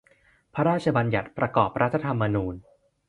พระราชบัญญัติประกอบรัฐธรรมนูญ